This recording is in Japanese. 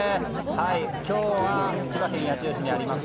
今日は千葉県八千代市にあります